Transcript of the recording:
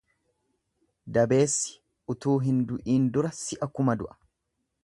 Dabeessi utuu hin du'iin dura si'a kuma du'a.